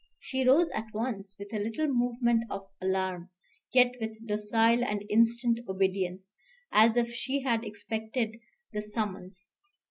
She rose at once, with a little movement of alarm, yet with docile and instant obedience, as if she had expected the summons.